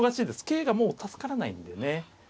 桂がもう助からないんでね